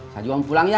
saya juga mau pulang ya